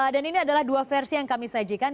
dan ini adalah dua versi yang kami sajikan